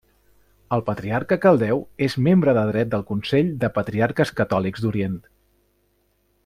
El patriarca caldeu és membre de dret del Consell de patriarques catòlics d'orient.